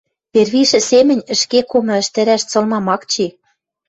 первишӹ семӹнь ӹшке комы ӹштӹрӓш цылмам ак чи